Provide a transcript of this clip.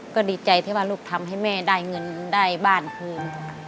ก็ดีใจที่ว่าลูกทำให้แม่ได้เงินได้บ้านคืน